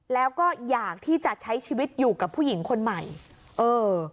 แล้วก็อยากที่จะใช้ชีวิตอยู่กับผู้หญิงคนใหม่เออ